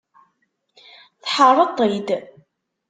Tḥerreḍ-t-id.